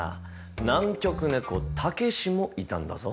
「南極猫たけし」もいたんだぞ。